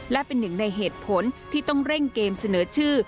และเป็นหนึ่งในเหตุผลที่ต้องเร่งเกมเสนอชื่อ